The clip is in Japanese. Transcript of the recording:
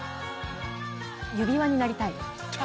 指輪になりたい。